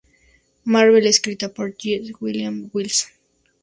Marvel", escrita por G. Willow Wilson.